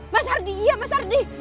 mas ardi iya mas ardi